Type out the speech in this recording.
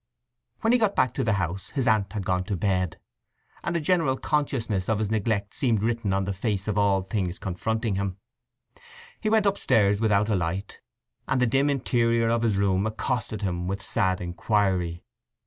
When he got back to the house his aunt had gone to bed, and a general consciousness of his neglect seemed written on the face of all things confronting him. He went upstairs without a light, and the dim interior of his room accosted him with sad inquiry.